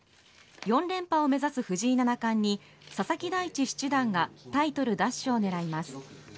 ４連覇を目指す藤井七冠に佐々木大地七段がタイトル奪取を狙います。